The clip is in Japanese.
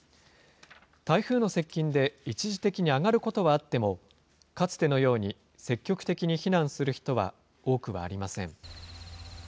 台風の接近で一時的に上がることはあっても、かつてのように積極的に避難する人は多くはありません。